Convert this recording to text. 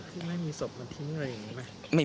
ที่ไม่มีศพมาทิ้งอะไรอย่างนี้ไหม